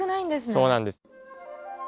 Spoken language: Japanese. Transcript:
そうなんです。